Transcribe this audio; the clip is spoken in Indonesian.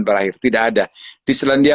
berakhir tidak ada di selandia